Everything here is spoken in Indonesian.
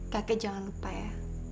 kakek jangan lupa ya